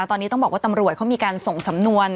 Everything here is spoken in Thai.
ตอนนี้ต้องบอกว่าตำรวจเขามีการส่งสำนวน